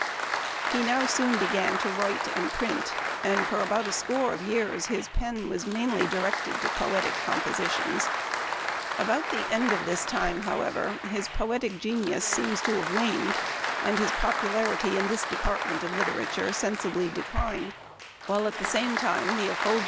He now soon began to write and print, and for about a score of years his pen was mainly directed to poetic compositions. About the end of this time, however, his poetic genius seems to have waned, and his popularity in this department of lit erature sensibly declined, while at the same time the efful Memoir of Washington Irving, S3 and immensely gratifying.